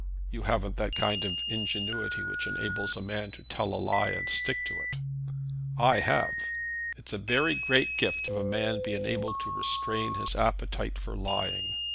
You haven't that kind of ingenuity which enables a man to tell a lie and stick to it. I have. It's a very great gift if a man be enabled to restrain his appetite for lying."